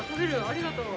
ありがとう。